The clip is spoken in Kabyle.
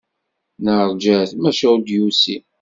Neṛja-t maca ur d-yusi.